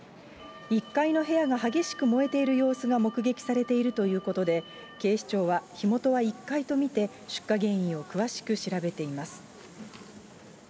１階の部屋が激しく燃えている様子が目撃されているということで、警視庁は火元は１階と見て、出火原因を詳しく調べています。